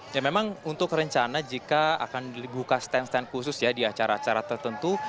ya memang untuk rencana jika akan dibuka stand stand khusus ya di acara acara tertentu